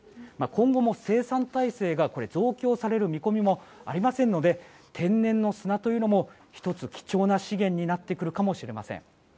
今後も生産体制が増強される見込みがありませんので天然の砂というのも１つ、貴重な資源になってくるかもしれません。